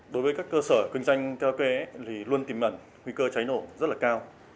đối với các cơ sở kinh doanh karaoke thì luôn tìm mẩn nguy cơ cháy nổ rất là cao